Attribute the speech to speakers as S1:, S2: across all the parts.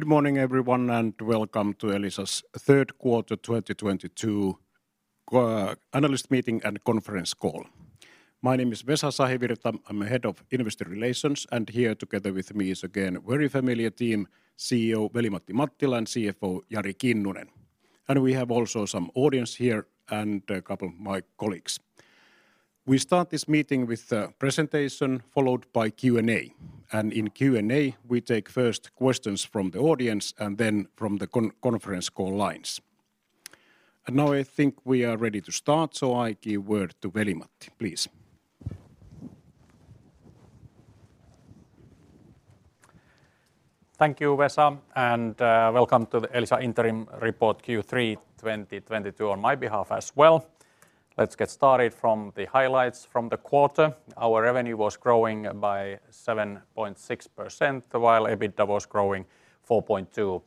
S1: Good morning everyone, and welcome to Elisa's third quarter 2022 analyst meeting and conference call. My name is Vesa Sahivirta. I'm Head of Investor Relations, and here together with me is again a very familiar team, CEO Veli-Matti Mattila and CFO Jari Kinnunen. We have also some audience here and a couple of my colleagues. We start this meeting with a presentation followed by Q&A. In Q&A, we take first questions from the audience and then from the conference call lines. Now I think we are ready to start, so I give word to Veli-Matti, please.
S2: Thank you, Vesa, and welcome to the Elisa Interim Report Q3 2022 on my behalf as well. Let's get started from the highlights from the quarter. Our revenue was growing by 7.6%, while EBITDA was growing 4.2%.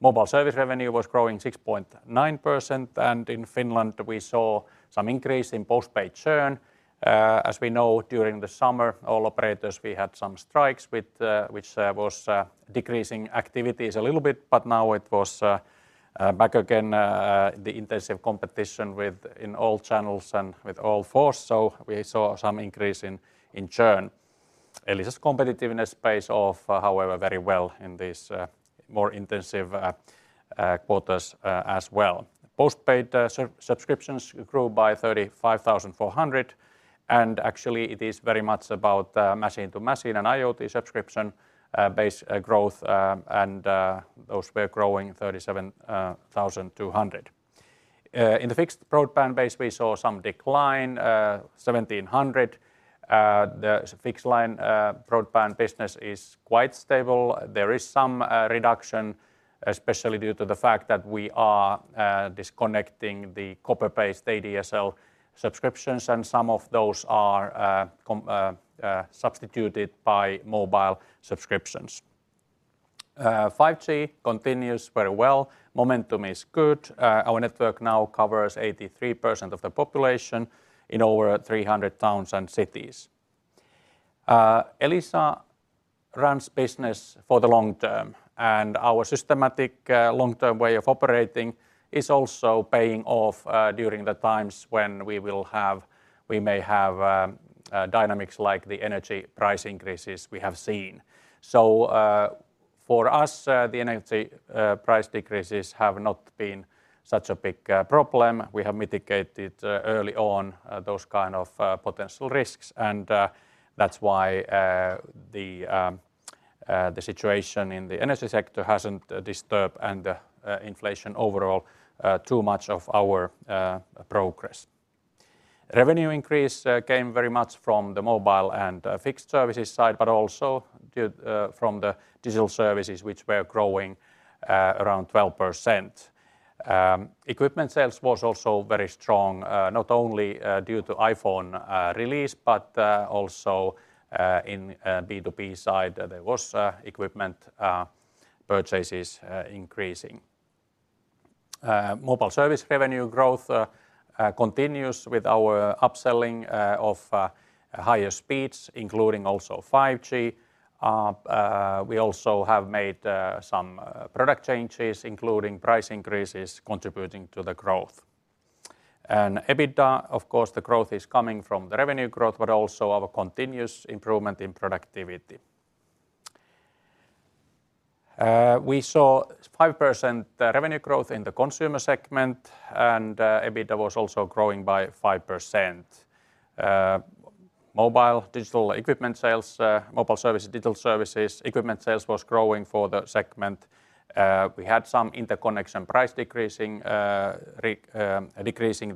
S2: Mobile service revenue was growing 6.9%, and in Finland we saw some increase in postpaid churn. As we know, during the summer all operators we had some strikes with which was decreasing activities a little bit, but now it was back again the intensive competition within all channels and with full force. We saw some increase in churn. Elisa's competitiveness pays off, however very well in this more intensive quarters, as well. Postpaid subscriptions grew by 35,400 and actually it is very much about machine-to-machine and IoT subscription base growth, and those were growing 37,200. In the fixed broadband base, we saw some decline 1,700. The fixed line broadband business is quite stable. There is some reduction, especially due to the fact that we are disconnecting the copper-based ADSL subscriptions, and some of those are substituted by mobile subscriptions. 5G continues very well. Momentum is good. Our network now covers 83% of the population in over 300 towns and cities. Elisa runs business for the long term, and our systematic, long-term way of operating is also paying off during the times when we may have dynamics like the energy price increases we have seen. For us, the energy price decreases have not been such a big problem. We have mitigated early on those kind of potential risks. That's why the situation in the energy sector hasn't disturbed and inflation overall too much of our progress. Revenue increase came very much from the mobile and fixed services side, but also due from the digital services which were growing around 12%. Equipment sales was also very strong, not only due to iPhone release, but also in B2B side, there was equipment purchases increasing. Mobile service revenue growth continues with our upselling of higher speeds, including also 5G. We also have made some product changes, including price increases contributing to the growth. In EBITDA, of course, the growth is coming from the revenue growth, but also our continuous improvement in productivity. We saw 5% revenue growth in the consumer segment and EBITDA was also growing by 5%. Mobile digital equipment sales, mobile service digital services, equipment sales was growing for the segment. We had some interconnection price decreasing the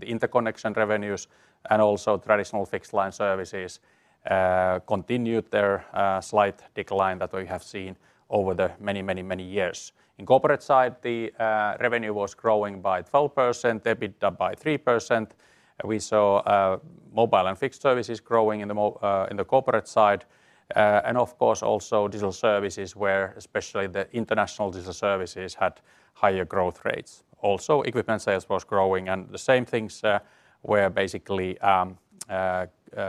S2: interconnection revenues and also traditional fixed line services continued their slight decline that we have seen over the many years. In corporate side, the revenue was growing by 12%, EBITDA by 3%. We saw mobile and fixed services growing in the corporate side. Of course, also digital services where especially the international digital services had higher growth rates. Also, equipment sales was growing and the same things were basically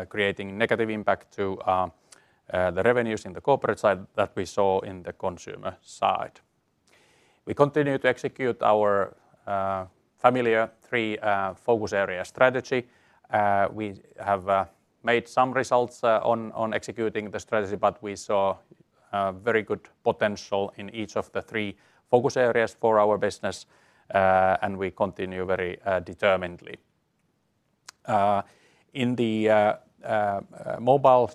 S2: creating negative impact to the revenues in the corporate side that we saw in the consumer side. We continue to execute our familiar three focus area strategy. We have made some results on executing the strategy, but we saw very good potential in each of the three focus areas for our business, and we continue very determinedly. In the mobile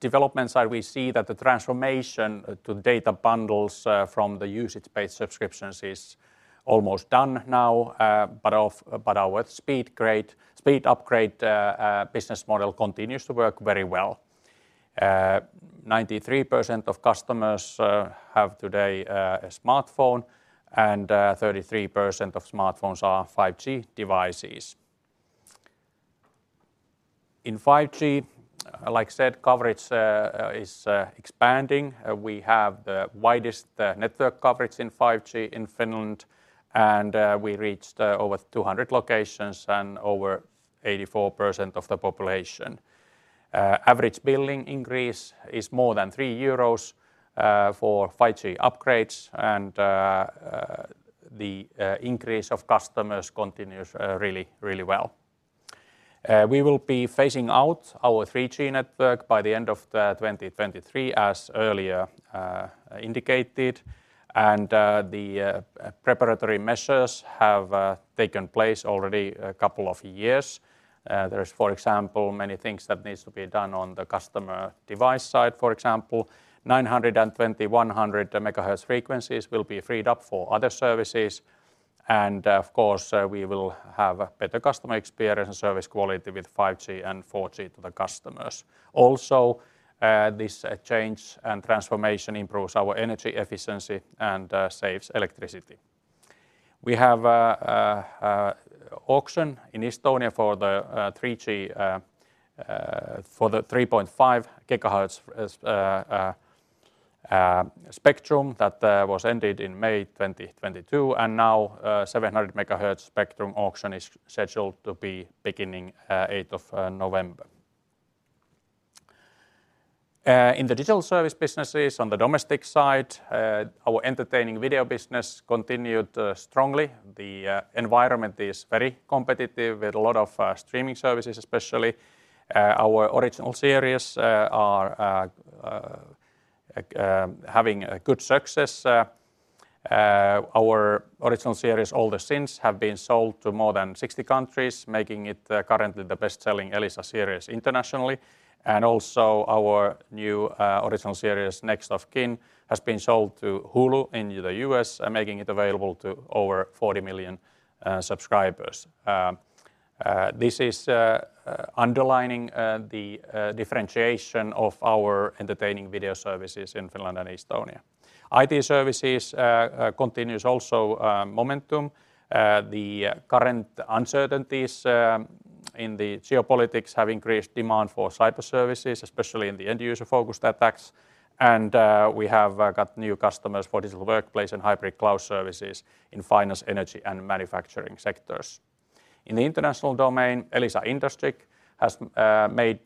S2: development side, we see that the transformation to data bundles from the usage-based subscriptions is almost done now, but our speed upgrade business model continues to work very well. 93% of customers have today a smartphone and 33% of smartphones are 5G devices. In 5G, like I said, coverage is expanding. We have the widest network coverage in 5G in Finland, and we reached over 200 locations and over 84% of the population. Average billing increase is more than 3 euros for 5G upgrades and the increase of customers continues really well. We will be phasing out our 3G network by the end of 2023 as earlier indicated. The preparatory measures have taken place already a couple of years. There is, for example, many things that needs to be done on the customer device side, for example. 900 and 2100 MHz frequencies will be freed up for other services. Of course, we will have better customer experience and service quality with 5G and 4G to the customers. This change and transformation improves our energy efficiency and saves electricity. We have an auction in Estonia for the 3.5 GHz spectrum that was ended in May 2022, and now 700 MHz spectrum auction is scheduled to be beginning eighth of November. In the digital service businesses on the domestic side, our entertaining video business continued strongly. The environment is very competitive with a lot of streaming services, especially. Our original series are having a good success. Our original series, All the Sins, have been sold to more than 60 countries, making it currently the best-selling Elisa series internationally. Also, our new original series, Next of Kin, has been sold to Hulu in the U.S., making it available to over 40 million subscribers. This is underlining the differentiation of our entertainment video services in Finland and Estonia. IT services continues also momentum. The current uncertainties in the geopolitics have increased demand for cyber services, especially in the end-user-focused attacks. We have got new customers for digital workplace and hybrid cloud services in finance, energy, and manufacturing sectors. In the international domain, Elisa IndustrIq has made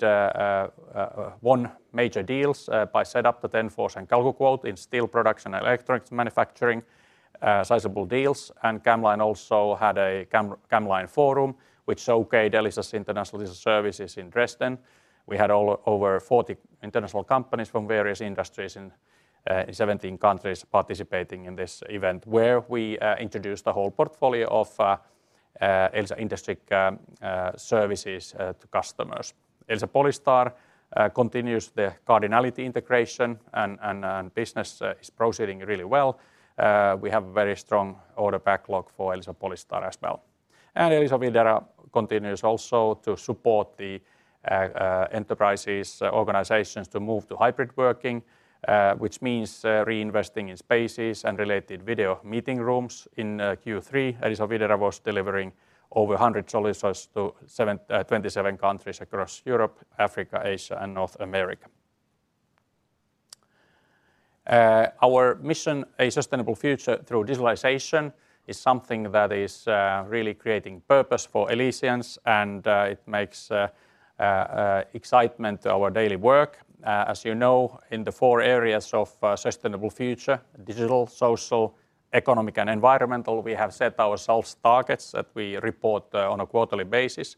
S2: one major deals by setting up the Tenforce and CalcoQuelt in steel production and electronics manufacturing. Sizable deals and Camline also had a Camline forum which showcased Elisa's international digital services in Dresden. We had over 40 international companies from various industries in 17 countries participating in this event, where we introduced the whole portfolio of Elisa IndustrIq services to customers. Elisa Polystar continues the Cardinality integration, and business is proceeding really well. We have a very strong order backlog for Elisa Polystar as well. Elisa Video continues also to support the enterprises, organizations to move to hybrid working, which means reinvesting in spaces and related video meeting rooms. In Q3, Elisa Video was delivering over 100 solutions to 27 countries across Europe, Africa, Asia, and North America. Our mission, a sustainable future through digitalization, is something that is really creating purpose for Elisians and it makes excitement to our daily work. As you know, in the four areas of sustainable future, digital, social, economic, and environmental, we have set ourselves targets that we report on a quarterly basis.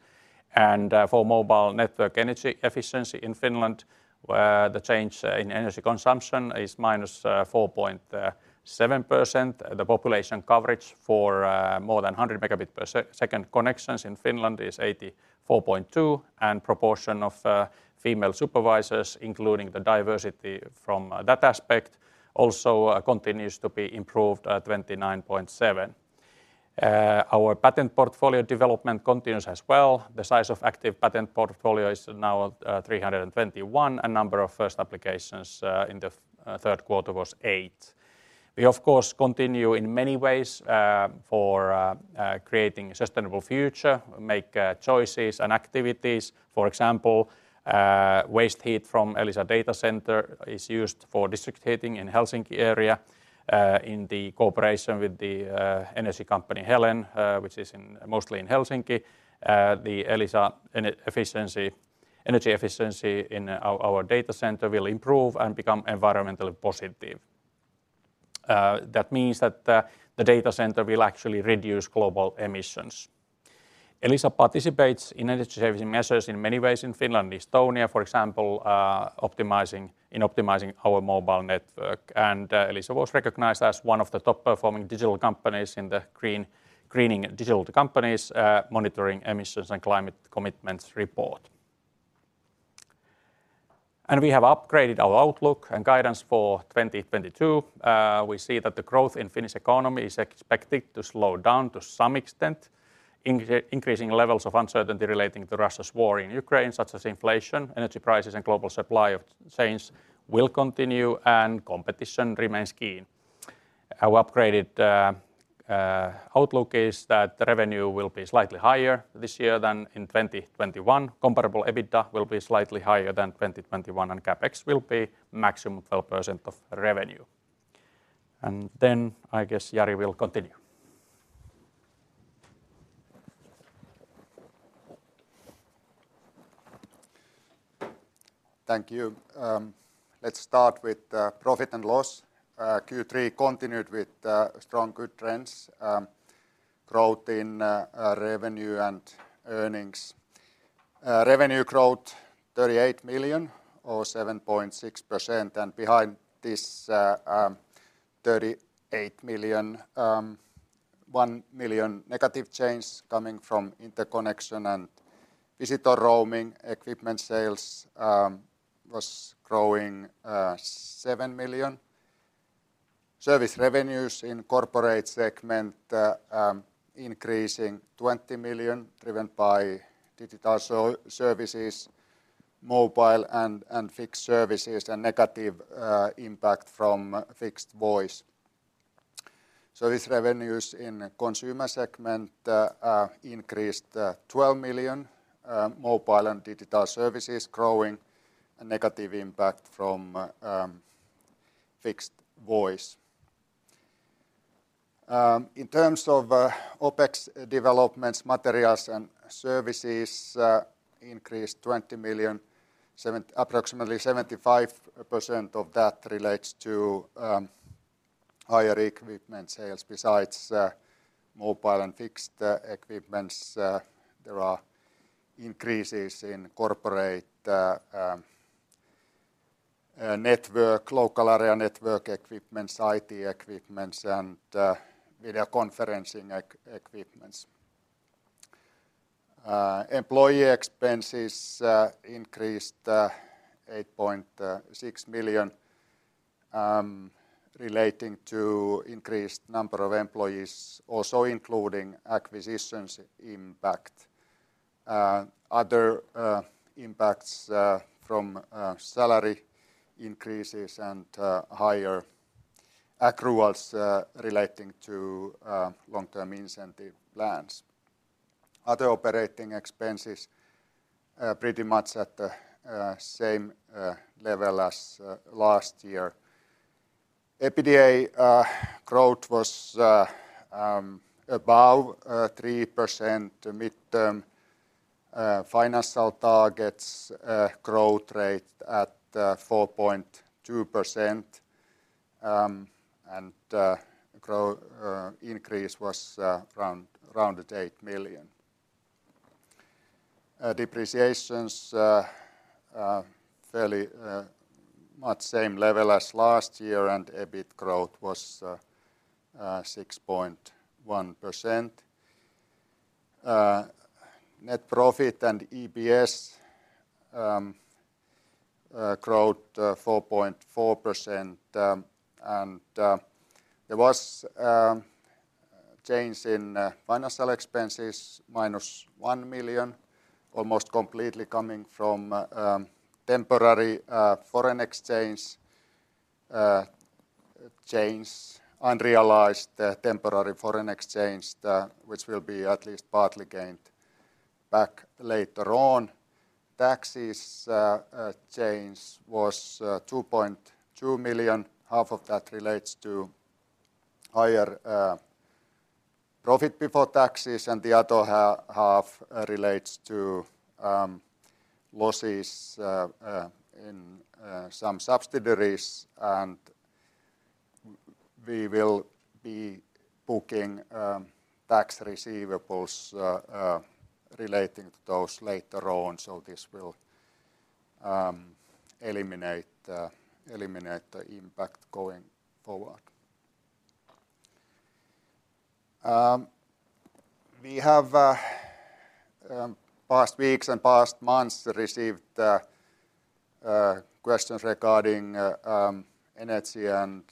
S2: For mobile network energy efficiency in Finland, the change in energy consumption is -4.7%. The population coverage for more than 100 Mbps connections in Finland is 84.2. Proportion of female supervisors, including the diversity from that aspect, also continues to be improved at 29.7. Our patent portfolio development continues as well. The size of active patent portfolio is now 321. Number of first applications in the third quarter was eight. We of course continue in many ways, for creating sustainable future, make choices and activities. For example, waste heat from Elisa data center is used for district heating in Helsinki area. In the cooperation with the energy company Helen, which is mostly in Helsinki, the Elisa energy efficiency in our data center will improve and become environmentally positive. That means that the data center will actually reduce global emissions. Elisa participates in energy-saving measures in many ways in Finland and Estonia. For example, in optimizing our mobile network. Elisa was recognized as one of the top-performing digital companies in the Greening Digital Companies: Monitoring Emissions and Climate Commitments report. We have upgraded our outlook and guidance for 2022. We see that the growth in Finnish economy is expected to slow down to some extent. Increasing levels of uncertainty relating to Russia's war in Ukraine, such as inflation, energy prices, and global supply chains will continue, and competition remains keen. Our upgraded outlook is that the revenue will be slightly higher this year than in 2021. Comparable EBITDA will be slightly higher than 2021, and CapEx will be maximum 12% of revenue. I guess Jari will continue.
S3: Thank you. Let's start with profit and loss. Q3 continued with strong good trends, growth in revenue and earnings. Revenue growth 38 million or 7.6%, and behind this, 38 million, EUR 1 million negative change coming from interconnection and visitor roaming. Equipment sales was growing 7 million. Service revenues in corporate segment increasing 20 million driven by digital services, mobile and fixed services, and negative impact from fixed voice. Service revenues in consumer segment increased 12 million, mobile and digital services growing, a negative impact from fixed voice. In terms of OpEx developments, materials and services increased 20 million, approximately 75% of that relates to higher equipment sales besides mobile and fixed equipments. There are increases in corporate network, local area network equipments, IT equipments, and video conferencing equipments. Employee expenses increased 8.6 million, relating to increased number of employees, also including acquisitions impact. Other impacts from salary increases and higher accruals relating to long-term incentive plans. Other operating expenses are pretty much at the same level as last year. EBITDA growth was above 3%. The midterm financial targets growth rate at 4.2%, and increase was around EUR 8 million. Depreciations fairly much same level as last year, and EBIT growth was 6.1%. Net profit and EPS growth 4.4%, and there was change in financial expenses, -1 million, almost completely coming from temporary foreign exchange change, unrealized temporary foreign exchange, which will be at least partly gained back later on. Taxes change was 2.2 million. Half of that relates to higher profit before taxes, and the other half relates to losses in some subsidiaries, and we will be booking tax receivables relating to those later on, so this will eliminate the impact going forward. We have past weeks and past months received questions regarding energy and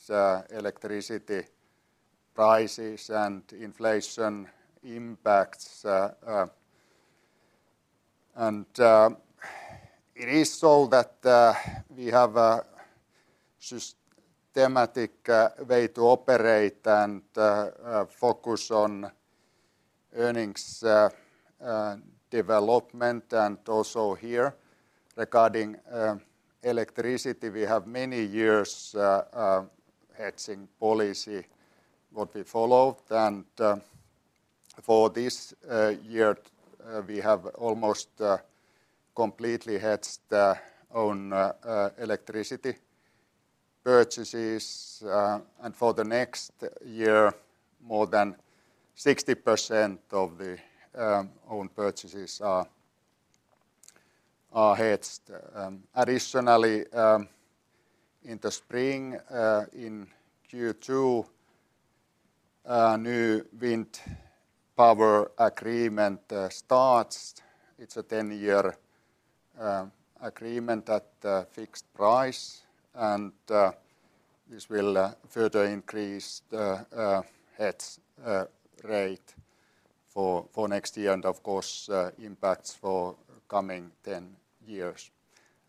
S3: electricity prices and inflation impacts. It is so that we have a systematic way to operate and focus on earnings development and also here. Regarding electricity, we have many years hedging policy what we followed, and for this year we have almost completely hedged own electricity purchases, and for the next year, more than 60% of the own purchases are hedged. Additionally, in the spring, in Q2, a new wind power agreement starts. It's a 10-year agreement at a fixed price, and this will further increase the hedge rate for next year and of course impacts for coming 10 years.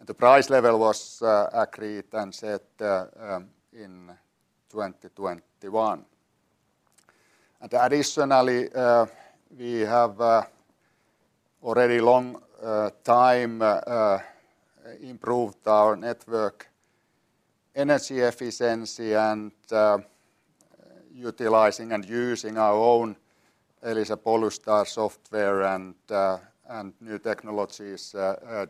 S3: The price level was agreed and set in 2021. Additionally, we have already long time improved our network energy efficiency and utilizing and using our own Elisa Polystar software and new technologies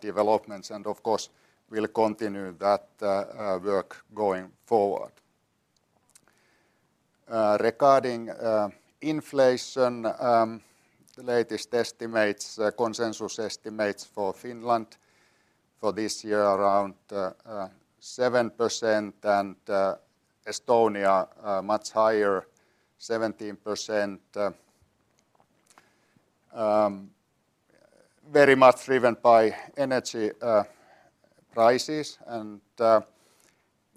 S3: developments. Of course, we'll continue that work going forward. Regarding inflation, the latest consensus estimates for Finland for this year around 7% and Estonia much higher, 17%. Very much driven by energy prices.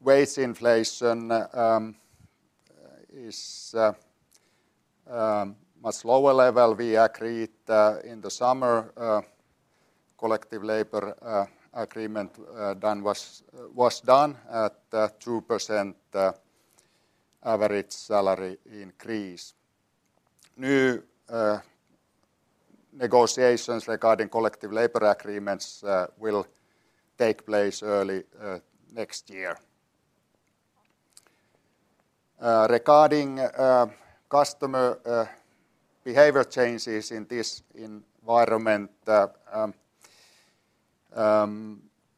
S3: Wage inflation is much lower level. We agreed in the summer collective labor agreement was done at 2% average salary increase. New negotiations regarding collective labor agreements will take place early next year. Regarding customer behavior changes in this environment,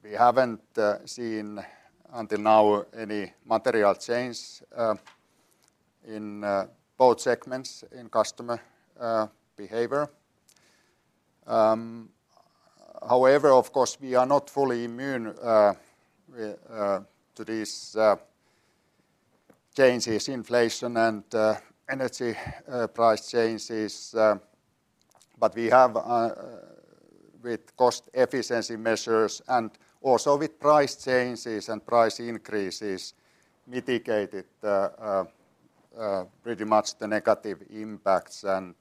S3: we haven't seen until now any material change in both segments in customer behavior. However, of course, we are not fully immune to these changes, inflation and energy price changes, but we have with cost efficiency measures and also with price changes and price increases mitigated pretty much the negative impacts. Of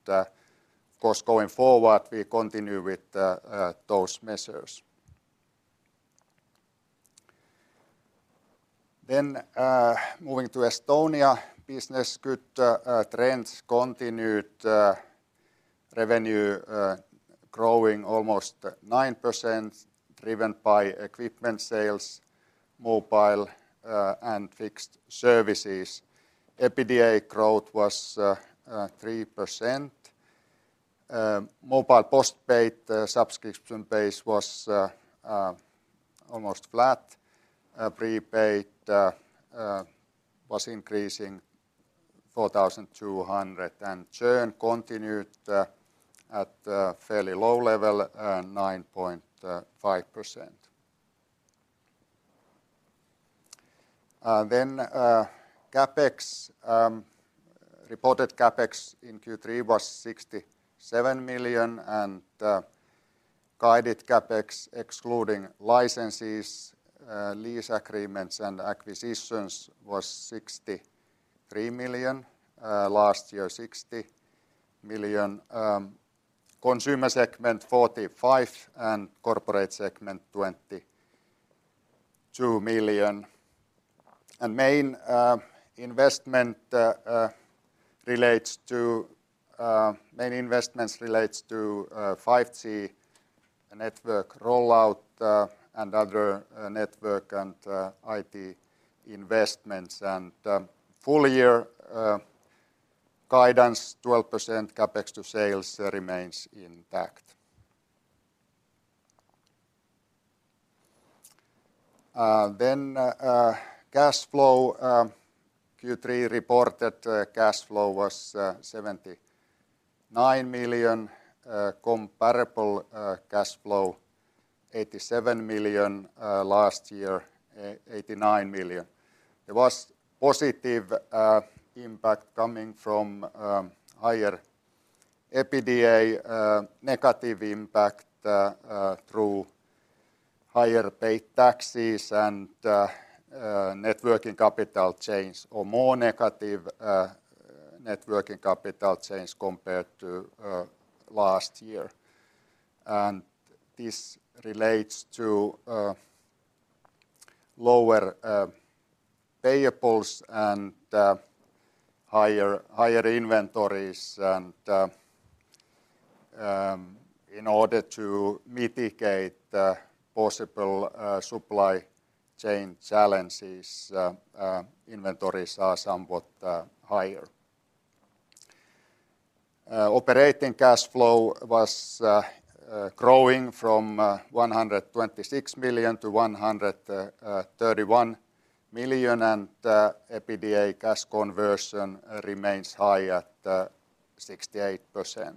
S3: course, going forward, we continue with those measures. Moving to Estonia, business good, trends continued, revenue growing almost 9%, driven by equipment sales, mobile, and fixed services. EBITDA growth was 3%. Mobile post-paid subscription base was almost flat. Prepaid was increasing 4,200. Churn continued at fairly low level, 9.5%. CapEx, reported CapEx in Q3 was 67 million, and guided CapEx excluding licenses, lease agreements and acquisitions was 63 million. Last year, 60 million. Consumer segment 45 million, and corporate segment 22 million. Main investments relate to 5G network rollout, and other network and IT investments. Full year guidance, 12% CapEx to sales remains intact. Cash flow Q3 reported cash flow was 79 million, comparable cash flow 87 million. Last year, 89 million. There was positive impact coming from higher EBITDA, negative impact through higher paid taxes and net working capital change or more negative net working capital change compared to last year. This relates to lower payables and higher inventories. In order to mitigate the possible supply chain challenges, inventories are somewhat higher. Operating cash flow was growing from 126 million-131 million, and EBITDA cash conversion remains high at 68%.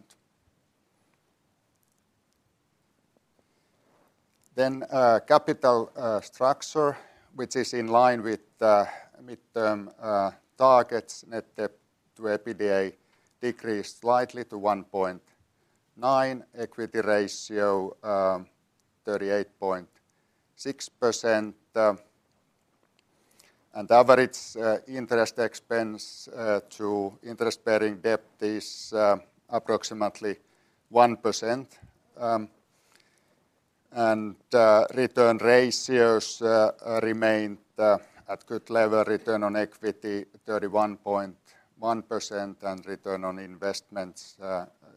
S3: Capital structure, which is in line with the midterm targets, net debt to EBITDA decreased slightly to 1.9, equity ratio 38.6%. Average interest expense to interest-bearing debt is approximately 1%. Return ratios remained at good level. Return on equity 31.1%, and return on investments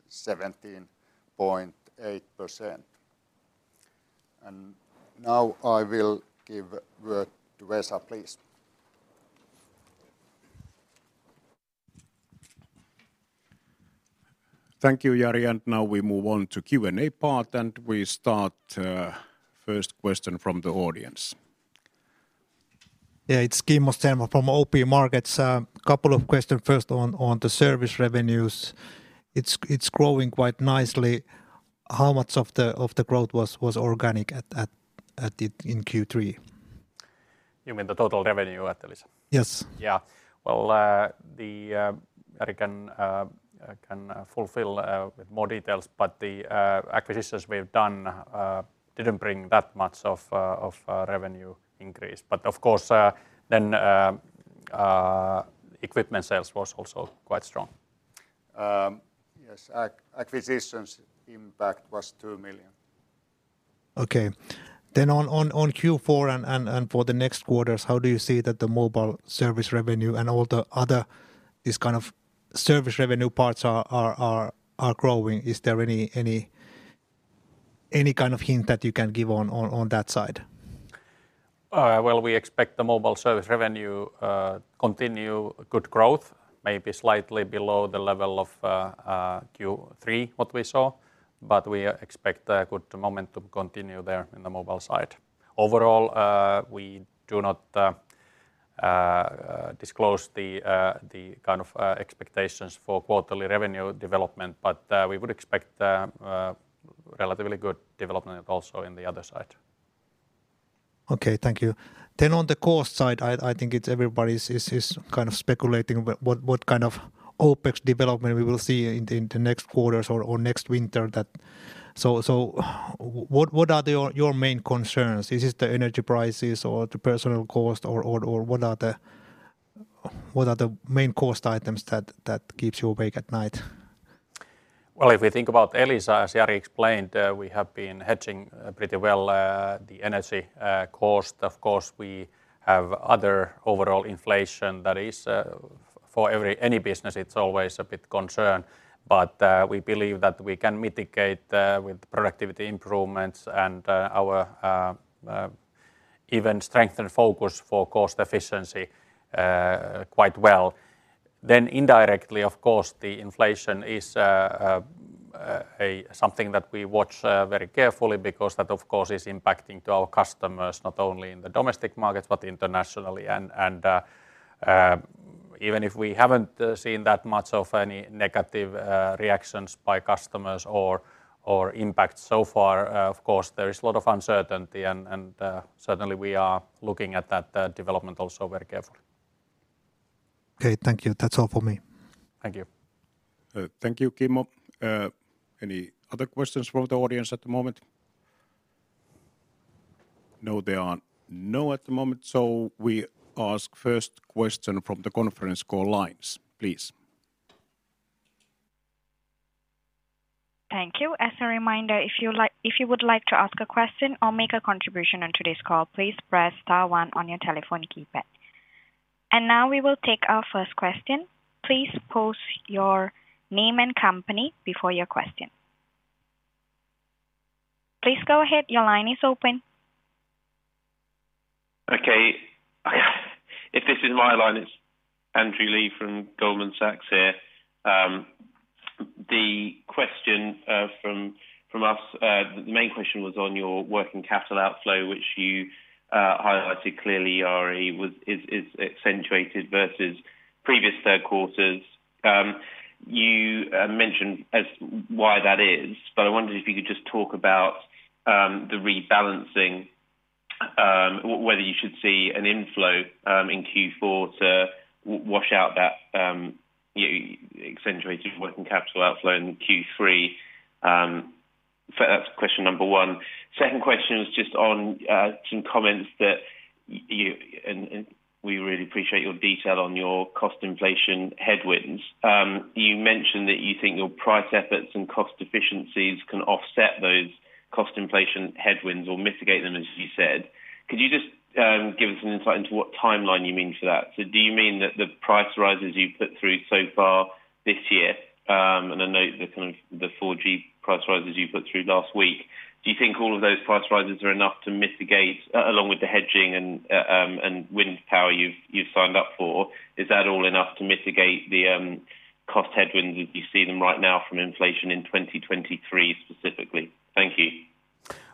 S3: 17.8%. Now I will give word to Vesa, please.
S1: Thank you, Jari. Now we move on to Q&A part, and we start, first question from the audience.
S4: Yeah, it's Kimmo Stenvall from OP Markets. Couple of questions. First on the service revenues. It's growing quite nicely. How much of the growth was organic in Q3?
S2: You mean the total revenue at Elisa?
S4: Yes.
S2: Well, Jari can fulfill with more details, but the acquisitions we've done didn't bring that much of revenue increase. Of course, then equipment sales was also quite strong.
S3: Yes. Acquisitions impact was 2 million.
S4: On Q4 and for the next quarters, how do you see that the Mobile service revenue and all the other is kind of service revenue parts are growing? Is there any kind of hint that you can give on that side?
S2: Well, we expect the Mobile service revenue continue good growth, maybe slightly below the level of Q3, what we saw. We expect a good momentum continue there in the mobile side. Overall, we do not disclose the kind of expectations for quarterly revenue development, but we would expect relatively good development also in the other side.
S4: Okay. Thank you. On the cost side, I think it's everybody is kind of speculating what kind of OpEx development we will see in the next quarters or next winter that. What are your main concerns? Is it the energy prices or the personnel cost or what are the main cost items that keeps you awake at night?
S2: Well, if we think about Elisa, as Jari explained, we have been hedging pretty well the energy cost. Of course, we have other overall inflation that is for any business, it's always a bit concern. But we believe that we can mitigate with productivity improvements and our even strength and focus for cost efficiency quite well. Then indirectly, of course, the inflation is something that we watch very carefully because that, of course, is impacting to our customers, not only in the domestic markets, but internationally. Even if we haven't seen that much of any negative reactions by customers or impact so far, of course, there is a lot of uncertainty and certainly we are looking at that development also very carefully.
S4: Okay. Thank you. That's all for me.
S2: Thank you.
S1: Thank you, Kimmo. Any other questions from the audience at the moment? No, there are none at the moment. We ask first question from the conference call lines, please.
S5: Thank you. As a reminder, if you would like to ask a question or make a contribution on today's call, please press star one on your telephone keypad. Now we will take our first question. Please state your name and company before your question. Please go ahead. Your line is open.
S6: Okay. If this is my line, it's Andrew Lee from Goldman Sachs here. The question from us, the main question was on your working capital outflow, which you highlighted clearly, Jari. Is accentuated versus previous third quarters. You mentioned why that is, but I wondered if you could just talk about the rebalancing, whether you should see an inflow in Q4 to wash out that, you know, accentuated working capital outflow in Q3. So that's question number one. Second question is just on some comments that you and we really appreciate your detail on your cost inflation headwinds. You mentioned that you think your price efforts and cost efficiencies can offset those cost inflation headwinds or mitigate them, as you said. Could you just give us an insight into what timeline you mean for that? Do you mean that the price rises you've put through so far this year, and I note the kind of the 4G price rises you put through last week? Do you think all of those price rises are enough to mitigate, along with the hedging and wind power you've signed up for? Is that all enough to mitigate the cost headwinds as you see them right now from inflation in 2023 specifically? Thank you.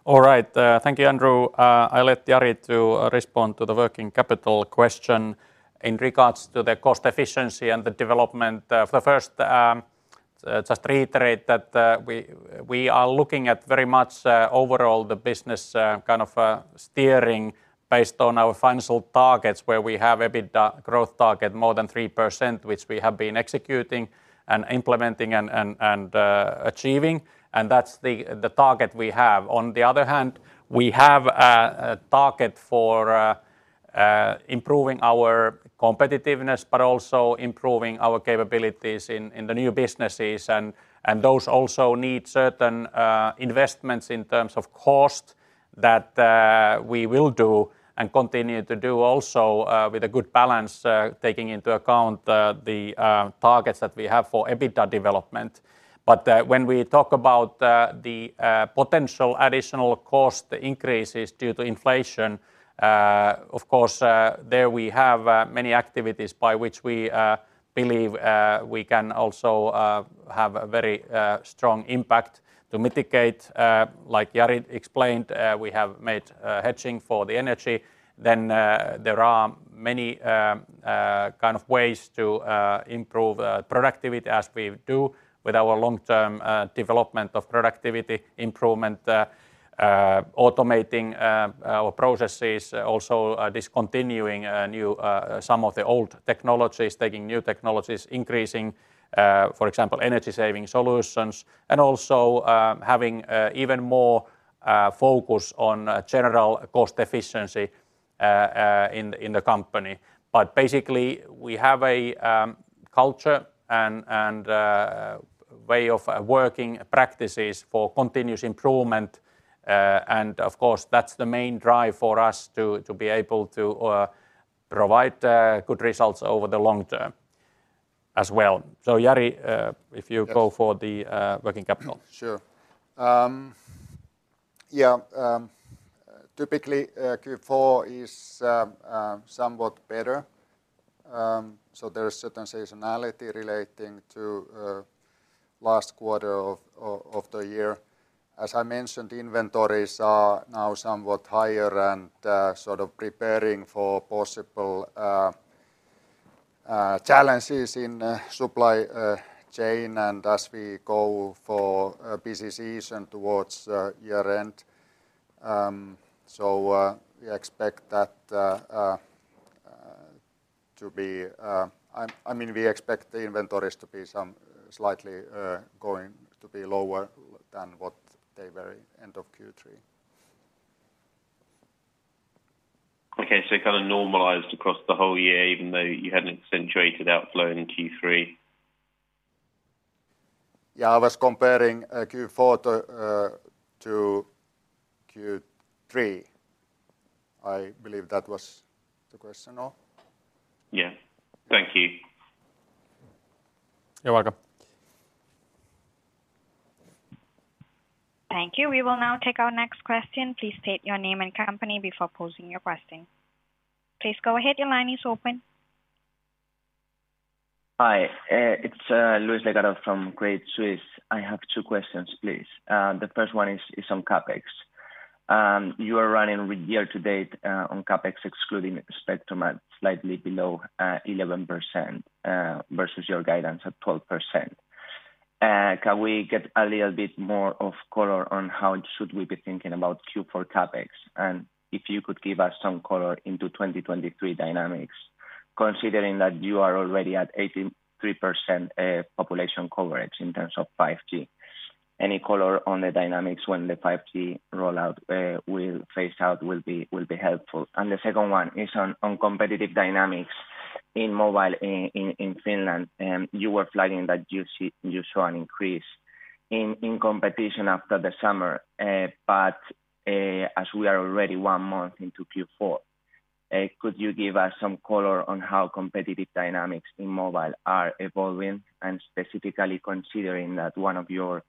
S2: All right. Thank you, Andrew. I'll let Jari to respond to the working capital question. In regards to the cost efficiency and the development, just to reiterate that, we are looking at very much overall the business kind of steering based on our financial targets, where we have EBITDA growth target more than 3%, which we have been executing and implementing and achieving. That's the target we have. On the other hand, we have a target for improving our competitiveness, but also improving our capabilities in the new businesses and those also need certain investments in terms of cost that we will do and continue to do also with a good balance taking into account the targets that we have for EBITDA development. When we talk about the potential additional cost increases due to inflation, of course, there we have many activities by which we believe we can also have a very strong impact to mitigate. Like Jari explained, we have made hedging for the energy. There are many kind of ways to improve productivity as we do with our long-term development of productivity improvement, automating our processes, also discontinuing some of the old technologies, taking new technologies, increasing, for example, energy-saving solutions, and also having even more focus on general cost efficiency in the company. But basically, we have a culture and way of working practices for continuous improvement. And of course, that's the main drive for us to be able to provide good results over the long term as well. Jari, if you go for the working capital.
S3: Sure. Yeah, typically Q4 is somewhat better. There is certain seasonality relating to last quarter of the year. As I mentioned, inventories are now somewhat higher and sort of preparing for possible challenges in supply chain and as we go for a busy season towards year-end. I mean, we expect the inventories to be some slightly going to be lower than what they were end of Q3.
S6: Okay. It kind of normalized across the whole year, even though you had an accentuated outflow in Q3?
S3: Yeah. I was comparing Q4 to Q3. I believe that was the question, no?
S6: Yeah. Thank you.
S2: You're welcome.
S5: Thank you. We will now take our next question. Please state your name and company before posing your question. Please go ahead. Your line is open.
S7: Hi. It's Louis Guyot from Credit Suisse. I have two questions, please. The first one is on CapEx. You are running year to date on CapEx excluding Spectrum at slightly below 11% versus your guidance of 12%. Can we get a little bit more color on how we should be thinking about Q4 CapEx? If you could give us some color into 2023 dynamics, considering that you are already at 83% population coverage in terms of 5G. Any color on the dynamics when the 5G rollout will phase out will be helpful. The second one is on competitive dynamics in mobile in Finland. You were flagging that you saw an increase in competition after the summer. As we are already one month into Q4, could you give us some color on how competitive dynamics in mobile are evolving? Specifically considering that one of your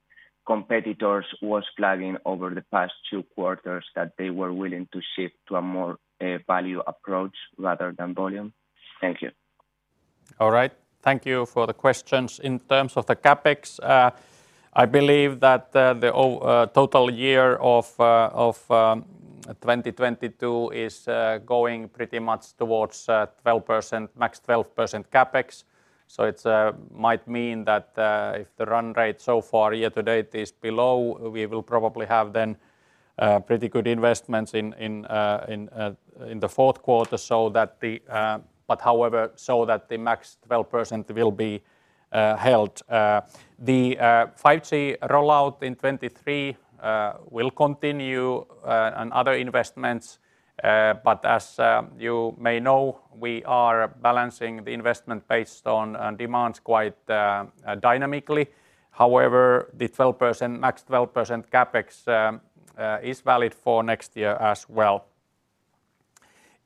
S7: competitors was flagging over the past two quarters that they were willing to shift to a more value approach rather than volume. Thank you.
S2: All right. Thank you for the questions. In terms of the CapEx, I believe that the total year of 2022 is going pretty much towards 12%, max 12% CapEx. It might mean that if the run rate so far year to date is below, we will probably have then pretty good investments in the fourth quarter so that the max 12% will be held. The 5G rollout in 2023 will continue and other investments. But as you may know, we are balancing the investment based on demands quite dynamically. However, the 12%, max 12% CapEx is valid for next year as well.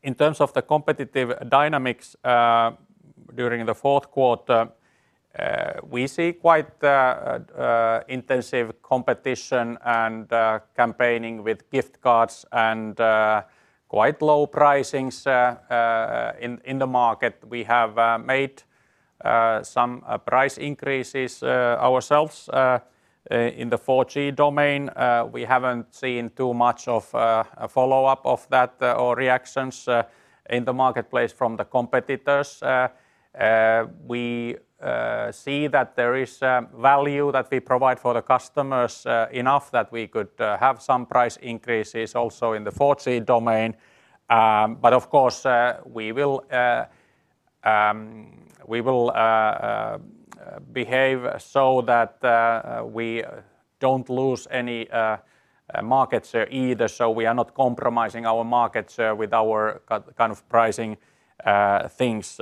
S2: In terms of the competitive dynamics, during the fourth quarter, we see quite intensive competition and campaigning with gift cards and quite low pricings in the market. We have made some price increases ourselves in the 4G domain. We haven't seen too much of a follow-up of that or reactions in the marketplace from the competitors. We see that there is value that we provide for the customers enough that we could have some price increases also in the 4G domain. Of course, we will behave so that we don't lose any markets either, so we are not compromising our markets with our kind of pricing things.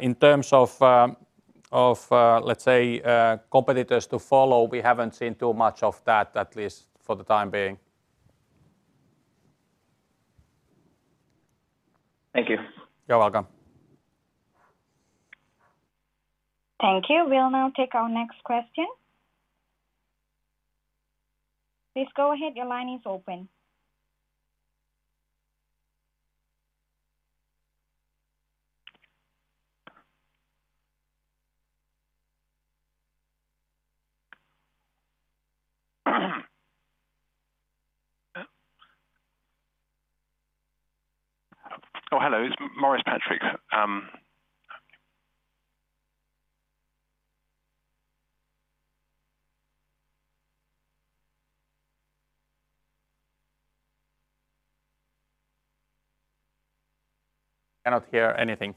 S2: In terms of, let's say, competitors to follow, we haven't seen too much of that, at least for the time being.
S7: Thank you.
S2: You're welcome.
S5: Thank you. We'll now take our next question. Please go ahead. Your line is open.
S8: Oh, hello. It's Maurice Patrick.
S2: Cannot hear anything.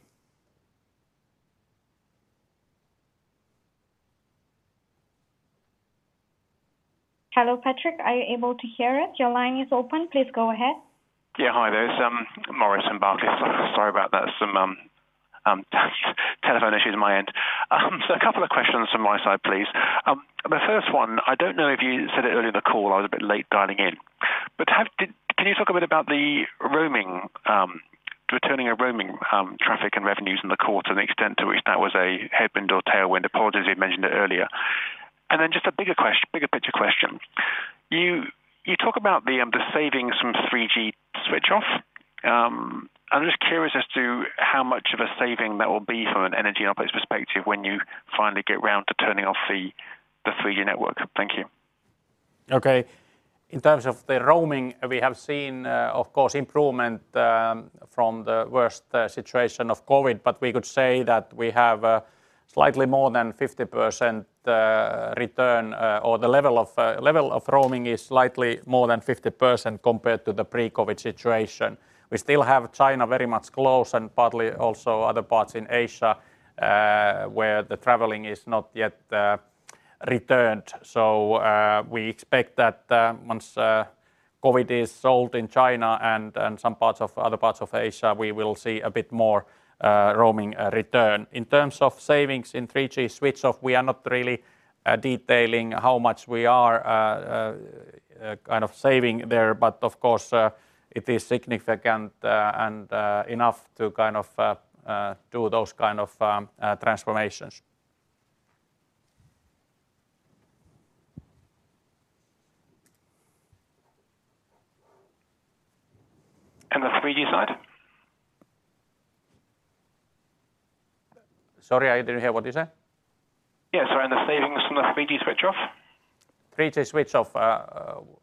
S5: Hello, Patrick. Are you able to hear us? Your line is open. Please go ahead.
S8: Yeah. Hi there. It's Maurice from Barclays. Sorry about that. Some telephone issues on my end. So a couple of questions from my side, please. The first one, I don't know if you said it earlier in the call, I was a bit late dialing in. Can you talk a bit about the returning of roaming traffic and revenues in the quarter to the extent to which that was a headwind or tailwind? Apologies if you mentioned it earlier. Then just a bigger picture question. You talk about the savings from 3G switch off. I'm just curious as to how much of a saving that will be from an energy outputs perspective when you finally get round to turning off the 3G network. Thank you.
S2: Okay. In terms of the roaming, we have seen, of course, improvement from the worst situation of COVID, but we could say that we have slightly more than 50% return, or the level of roaming is slightly more than 50% compared to the pre-COVID situation. We still have China very much closed and partly also other parts in Asia, where the traveling is not yet returned. We expect that once COVID is solved in China and some other parts of Asia, we will see a bit more roaming return. In terms of savings in 3G switch off, we are not really detailing how much we are kind of saving there, but of course it is significant and enough to kind of do those kind of transformations.
S8: The 3G side?
S2: Sorry, I didn't hear. What did you say?
S8: Yeah, sorry. The savings from the 3G switch off?
S2: 3G switch off.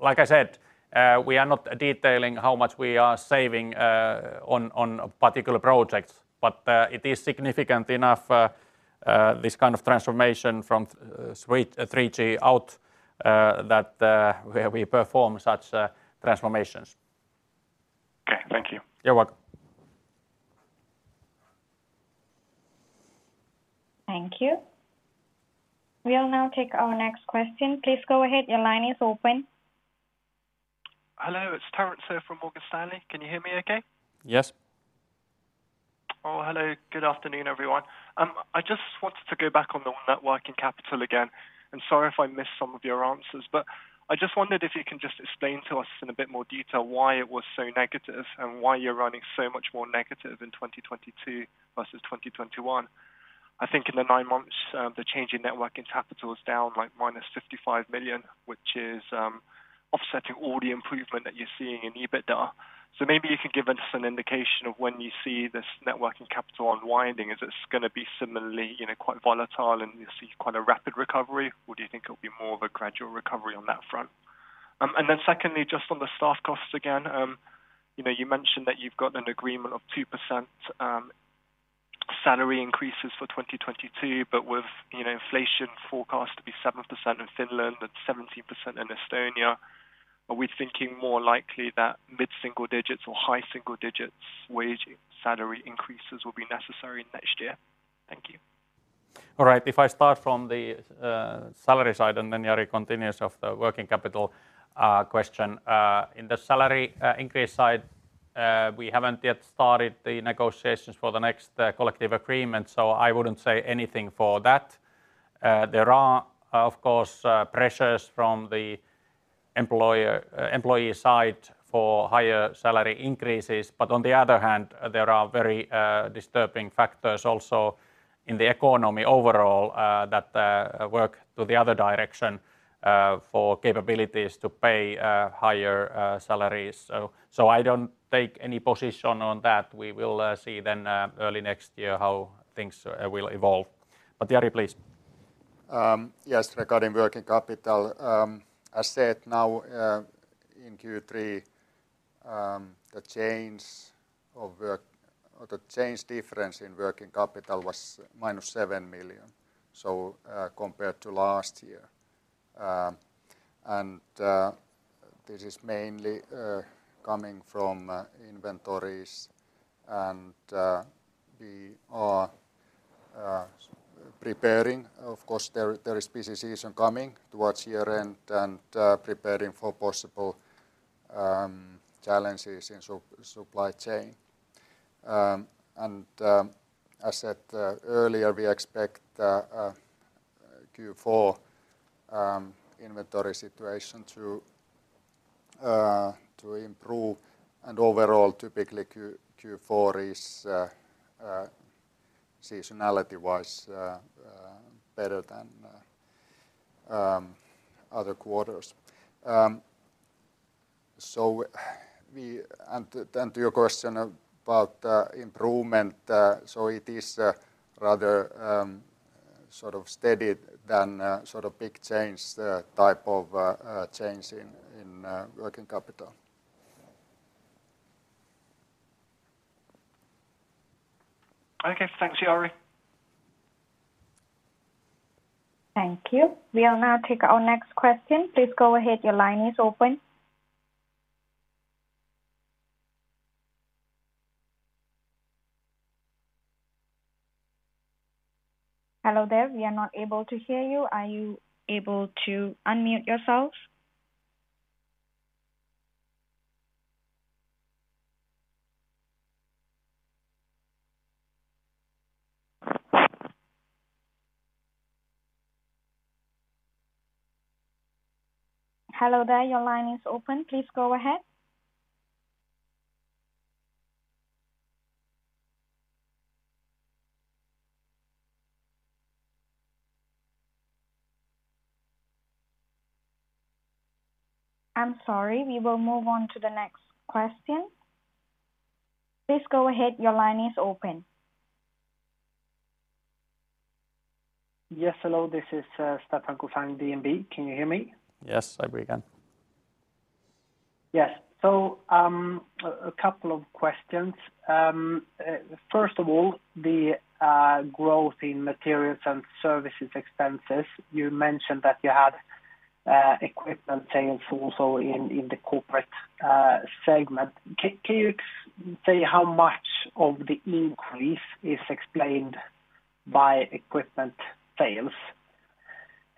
S2: Like I said, we are not detailing how much we are saving on particular projects, but it is significant enough, this kind of transformation from 3G out, that we perform such transformations.
S8: Okay. Thank you.
S2: You're welcome.
S5: Thank you. We'll now take our next question. Please go ahead. Your line is open.
S9: Hello. It's Terence Tsui from Morgan Stanley. Can you hear me okay?
S2: Yes.
S9: Hello. Good afternoon, everyone. I just wanted to go back on the net working capital again, and sorry if I missed some of your answers. I just wondered if you can just explain to us in a bit more detail why it was so negative and why you're running so much more negative in 2022 versus 2021. I think in the nine months, the change in net working capital is down like minus 55 million, which is offsetting all the improvement that you're seeing in EBITDA. Maybe you can give us an indication of when you see this net working capital unwinding. Is it gonna be similarly, you know, quite volatile and you see quite a rapid recovery, or do you think it'll be more of a gradual recovery on that front? Secondly, just on the staff costs again, you know, you mentioned that you've got an agreement of 2% salary increases for 2022, but with you know, inflation forecast to be 7% in Finland and 17% in Estonia, are we thinking more likely that mid-single digits or high single digits salary increases will be necessary next year? Thank you.
S2: All right. If I start from the salary side and then Jari continues on the working capital question. In the salary increase side, we haven't yet started the negotiations for the next collective agreement, so I wouldn't say anything for that. There are, of course, pressures from the employee side for higher salary increases. On the other hand, there are very disturbing factors also in the economy overall that work in the other direction for the capacity to pay higher salaries. I don't take any position on that. We will see then early next year how things will evolve. Jari, please.
S3: Yes, regarding working capital, as said now, in Q3, the change difference in working capital was -7 million, compared to last year. This is mainly coming from inventories and we are preparing. Of course, there is busy season coming towards year-end and preparing for possible challenges in supply chain. As said earlier, we expect Q4 inventory situation to improve. Overall, typically Q4 is seasonality-wise better than other quarters. Then to your question about improvement, so it is rather sort of steady than sort of big change type of change in working capital.
S9: Okay. Thanks, Jari.
S5: Thank you. We'll now take our next question. Please go ahead. Your line is open. Hello there. We are not able to hear you. Are you able to unmute yourselves? Hello there. Your line is open. Please go ahead. I'm sorry. We will move on to the next question. Please go ahead. Your line is open.
S10: Yes. Hello. This is, Stefan Kufahl, DNB. Can you hear me?
S2: Yes, I hear you again.
S10: Yes. A couple of questions. First of all, the growth in materials and services expenses, you mentioned that you had equipment sales also in the corporate segment. Can you say how much of the increase is explained by equipment sales?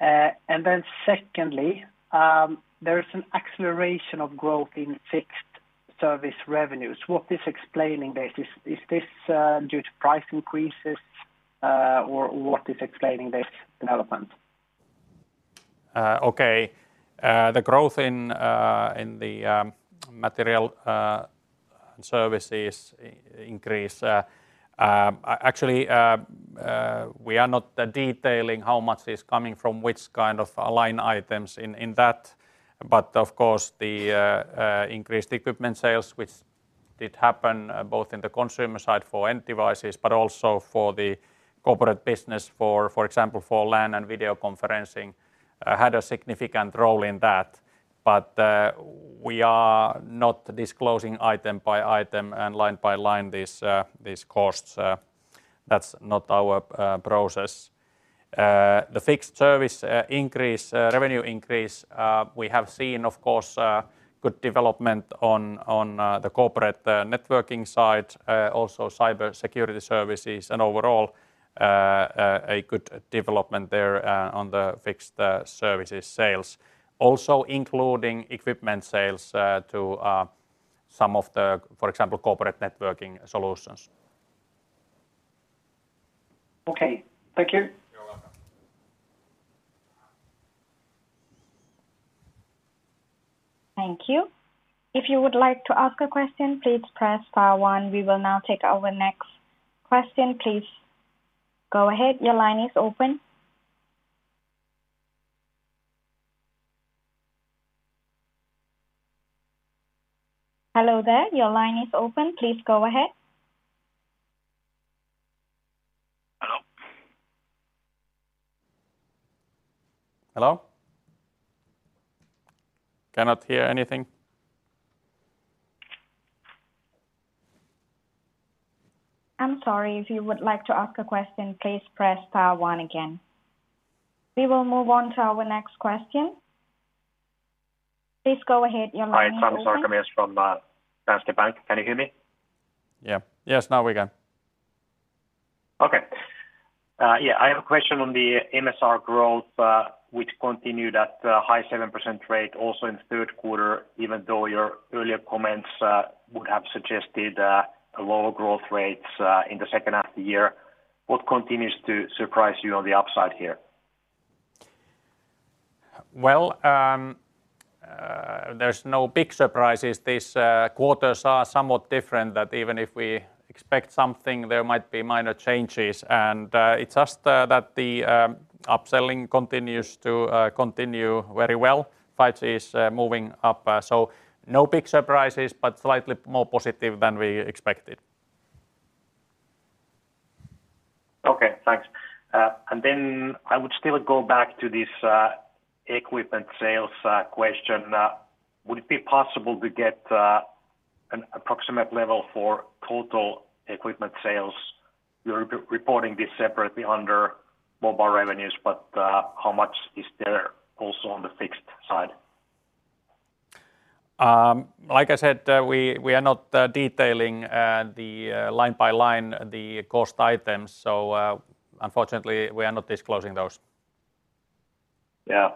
S10: And then secondly, there is an acceleration of growth in fixed service revenues. What is explaining this? Is this due to price increases, or what is explaining this development?
S2: The growth in the mobile services increase, actually, we are not detailing how much is coming from which kind of line items in that. Of course, the increased equipment sales, which did happen, both in the consumer side for end devices, but also for the corporate business, for example, for LAN and video conferencing, had a significant role in that. We are not disclosing item by item and line by line these costs. That's not our process. The fixed service revenue increase, we have seen, of course, good development on the corporate networking side, also cybersecurity services and overall, a good development there, on the fixed services sales. Also including equipment sales to some of the, for example, corporate networking solutions.
S10: Okay. Thank you.
S2: You're welcome.
S5: Thank you. If you would like to ask a question, please press star one. We will now take our next question. Please go ahead. Your line is open. Hello there. Your line is open. Please go ahead.
S11: Hello?
S2: Hello? Cannot hear anything.
S5: I'm sorry. If you would like to ask a question, please press star one again. We will move on to our next question. Please go ahead. Your line is open.
S12: Hi. It's Hans Arkemius from Danske Bank. Can you hear me?
S2: Yeah. Yes, now we can.
S12: I have a question on the MSR growth, which continued at a high 7% rate also in the third quarter even though your earlier comments would have suggested lower growth rates in the second half of the year. What continues to surprise you on the upside here?
S2: Well, there's no big surprises. These quarters are somewhat different in that even if we expect something, there might be minor changes. It's just that the upselling continues to continue very well. 5G is moving up. No big surprises, but slightly more positive than we expected.
S12: Okay. Thanks. I would still go back to this equipment sales question. Would it be possible to get an approximate level for total equipment sales? You're re-reporting this separately under mobile revenues, but how much is there also on the fixed side?
S2: Like I said, we are not detailing line by line the cost items. Unfortunately, we are not disclosing those.
S12: Yeah.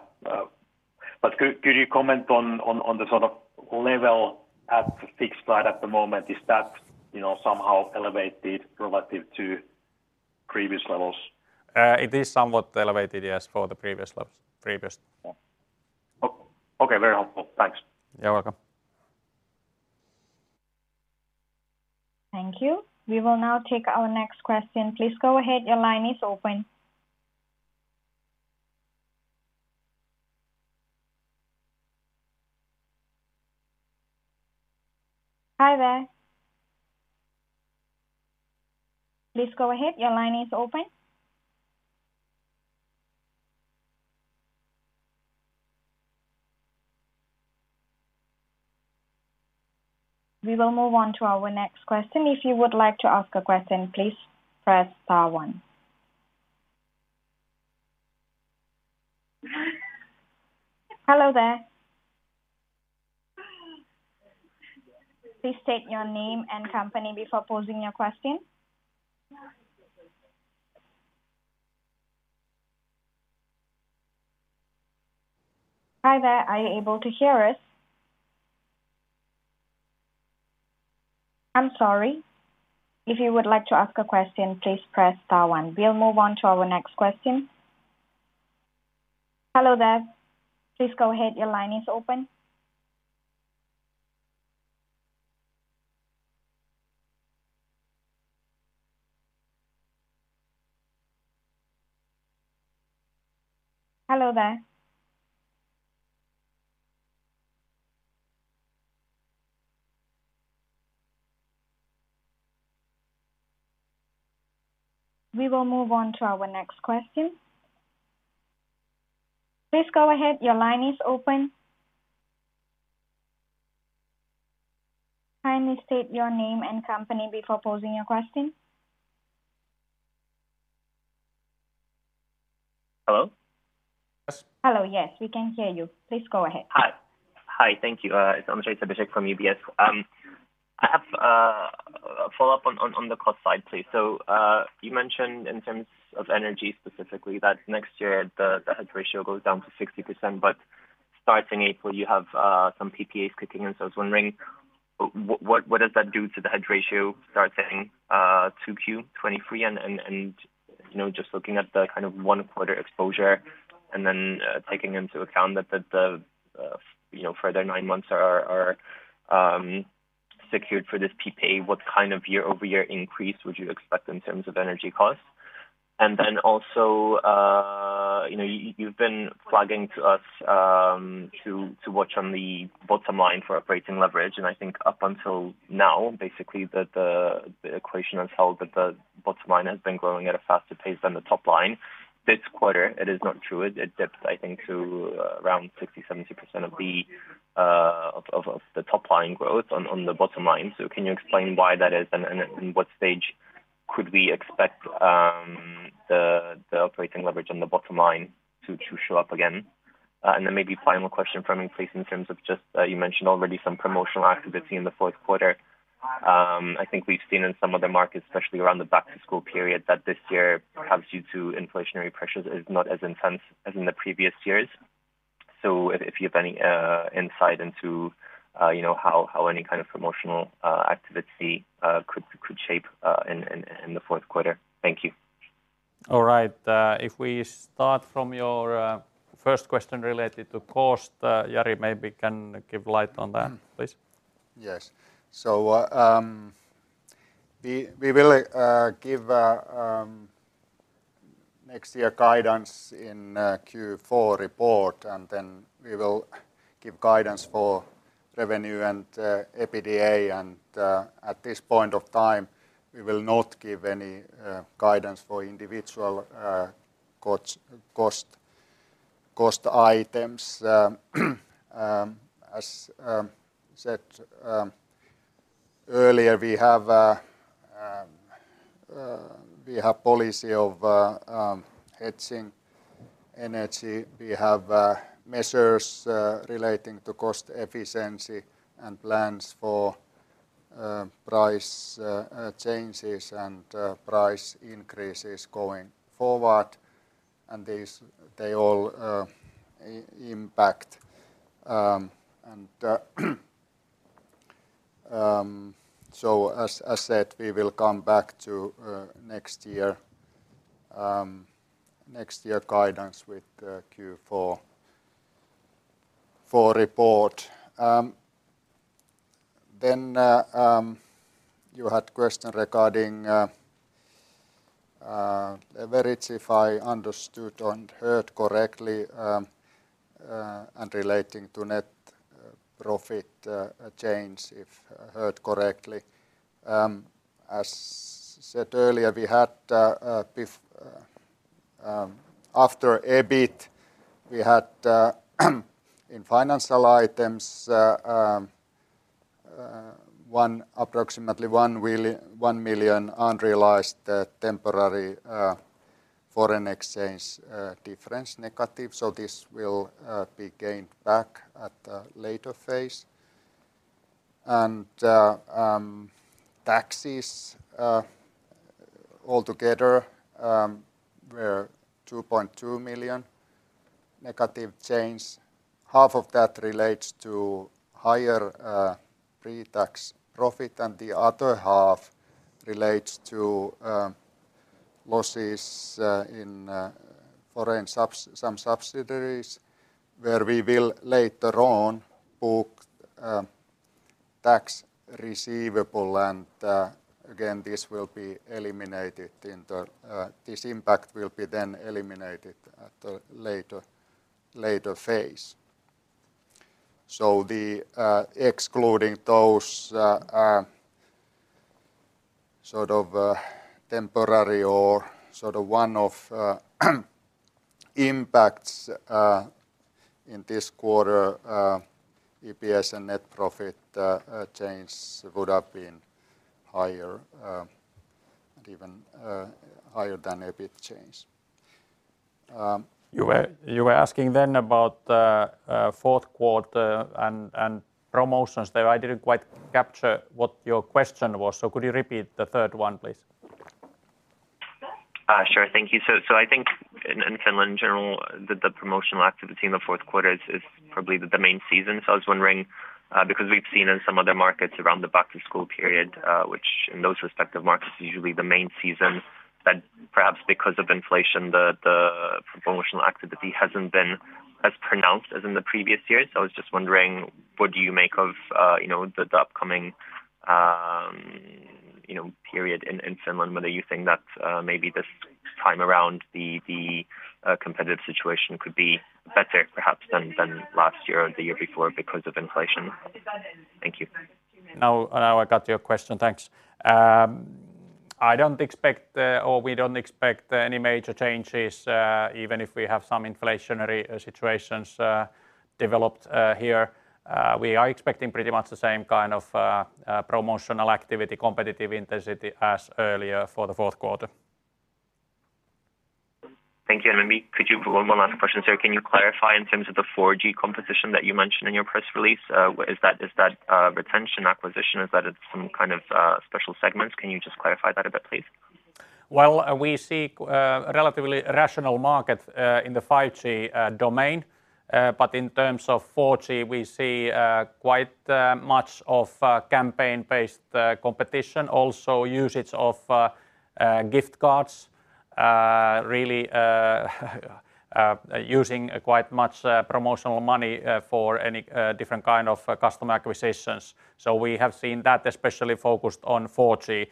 S12: Could you comment on the sort of level at the fixed side at the moment? Is that, you know, somehow elevated relative to previous levels?
S2: It is somewhat elevated, yes, for the previous levels.
S12: Oh. Okay, very helpful. Thanks.
S2: You're welcome.
S5: Thank you. We will now take our next question. Please go ahead. Your line is open. Hi there. Please go ahead. Your line is open. We will move on to our next question. If you would like to ask a question, please press star one. Hello there. Please state your name and company before posing your question. Hi there. Are you able to hear us? I'm sorry. If you would like to ask a question, please press star one. We'll move on to our next question. Hello there. Please go ahead. Your line is open. Hello there. We will move on to our next question. Please go ahead. Your line is open. Kindly state your name and company before posing your question.
S13: Hello?
S5: Hello. Yes, we can hear you. Please go ahead.
S13: Hi. Thank you. It's Ondrej Cabejsek from UBS. I have a follow-up on the cost side, please. You mentioned in terms of energy specifically that next year the hedge ratio goes down to 60%, but starting April you have some PPAs kicking in. I was wondering what does that do to the hedge ratio starting 2Q 2023? You know, just looking at the kind of one quarter exposure and then taking into account that the further nine months are secured for this PPA, what kind of year-over-year increase would you expect in terms of energy costs? Then also you know, you've been flagging to us to watch on the bottom line for operating leverage. I think up until now, basically the equation has held that the bottom line has been growing at a faster pace than the top line. This quarter it is not true. It dips, I think, to around 60%-70% of the top line growth on the bottom line. Can you explain why that is and at what stage could we expect the operating leverage on the bottom line to show up again? And then maybe final question from me, please, in terms of just, you mentioned already some promotional activity in the fourth quarter. I think we've seen in some other markets, especially around the back-to-school period, that this year, perhaps due to inflationary pressures, is not as intense as in the previous years. If you have any insight into you know how any kind of promotional activity could shape in the fourth quarter? Thank you.
S2: All right. If we start from your first question related to cost, Jari maybe can shed light on that, please.
S3: Yes. We will give next year guidance in Q4 report, and then we will give guidance for revenue and EBITDA. At this point of time, we will not give any guidance for individual cost items. As said earlier, we have policy of hedging energy. We have measures relating to cost efficiency and plans for price changes and price increases going forward. These, they all impact. As said, we will come back to next year guidance with the Q4 report. You had question regarding Ondrej Cabejsek, if I understood or heard correctly, and relating to net profit change, if heard correctly. As said earlier, we had. After EBIT, we had in financial items approximately EUR 1 million unrealized temporary foreign exchange difference negative. This will be gained back at a later phase. Taxes all together were 2.2 million negative change. Half of that relates to higher pre-tax profit, and the other half relates to losses in some foreign subsidiaries, where we will later on book tax receivable. Again, this will be eliminated. This impact will be then eliminated at a later phase. Excluding those sort of temporary or sort of one-off impacts in this quarter, EPS and net profit change would have been higher, even higher than EBIT change.
S2: You were asking then about fourth quarter and promotions there. I didn't quite capture what your question was. Could you repeat the third one, please?
S13: Sure. Thank you. I think in Finland in general, the promotional activity in the fourth quarter is probably the main season. I was wondering, because we've seen in some other markets around the back-to-school period, which in those respective markets is usually the main season, that perhaps because of inflation, the promotional activity hasn't been as pronounced as in the previous years. I was just wondering, what do you make of, you know, the upcoming, you know, period in Finland. Whether you think that maybe this time around the competitive situation could be better perhaps than last year or the year before because of inflation. Thank you.
S2: Now, I got your question. Thanks. I don't expect, or we don't expect any major changes, even if we have some inflationary situations developed here. We are expecting pretty much the same kind of promotional activity, competitive intensity as earlier for the fourth quarter.
S13: Thank you. Maybe could you one more last question, sir. Can you clarify in terms of the 4G competition that you mentioned in your press release? Is that retention acquisition? Is that it's some kind of special segment? Can you just clarify that a bit, please?
S2: Well, we see relatively rational market in the 5G domain. In terms of 4G, we see quite much of campaign-based competition. Also usage of gift cards, really using quite much promotional money for any different kind of customer acquisitions. We have seen that especially focused on 4G.